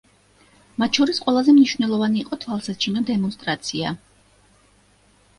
მათ შორის ყველაზე მნიშვნელოვანი იყო თვალსაჩინო დემონსტრაცია.